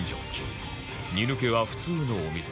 二抜けは普通のお水